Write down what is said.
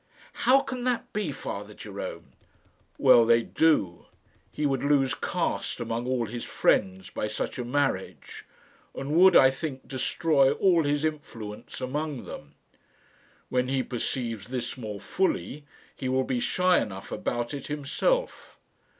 "How can that be, Father Jerome?" "Well, they do. He would lose caste among all his friends by such a marriage, and would, I think, destroy all his influence among them. When he perceives this more fully he will be shy enough about it himself.